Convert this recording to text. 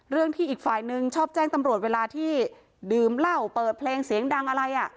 ที่อีกฝ่ายนึงชอบแจ้งตำรวจเวลาที่ดื่มเหล้าเปิดเพลงเสียงดังอะไร